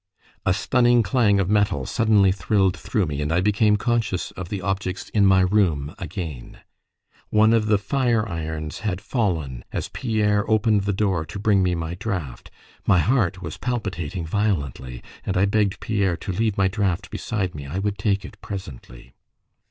A stunning clang of metal suddenly thrilled through me, and I became conscious of the objects in my room again: one of the fire irons had fallen as Pierre opened the door to bring me my draught. My heart was palpitating violently, and I begged Pierre to leave my draught beside me; I would take it presently.